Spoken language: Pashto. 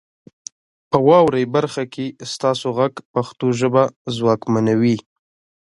په واورئ برخه کې ستاسو غږ پښتو ژبه ځواکمنوي.